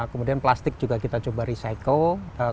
kemudian plastik juga kita coba recycle